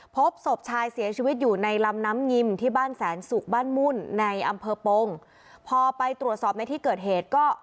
พบศพชายเสียชีวิตอยู่ในลำน้ำงิมที่บ้านแสนสุกบ้านมุ่นในอำเภอปงพอไปตรวจสอบในที่เกิดเหตุก็